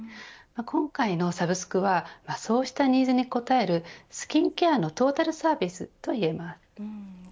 今回のサブスクはそうしたニーズに応えるスキンケアのトータルサービスといえます。